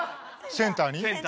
センターに。